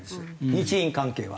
日印関係は。